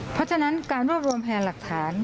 เพราะฉะนั้นการรวบรวมพยานหลักฐาน